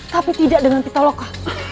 tapi tidak dengan pitaloka